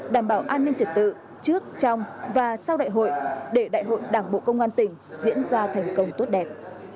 đảm bảo an ninh trật tự trước trong và sau đại hội để đại hội đảng bộ công an tỉnh diễn ra thành công tốt đẹp